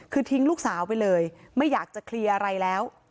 คือทิ้งลูกสาวไปเลยไม่อยากจะเคลียร์อะไรแล้ว